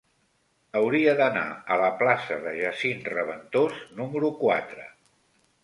Hauria d'anar a la plaça de Jacint Reventós número quatre.